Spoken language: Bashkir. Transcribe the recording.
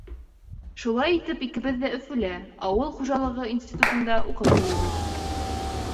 Шулай, икебеҙ ҙә Өфөлә, ауыл хужалығы институтында уҡып йөрөйбөҙ.